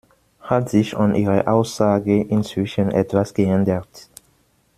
Hat sich an Ihrer Aussage inzwischen etwas geändert?